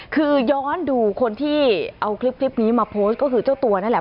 คือย้อนดูคนที่เอาคลิปนี้มาโพสต์ก็คือเจ้าตัวนั่นแหละ